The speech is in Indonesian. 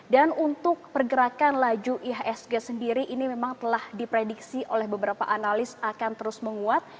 dan untuk pergerakan laju ihsg sendiri ini memang telah diprediksi oleh beberapa analis akan terus menguat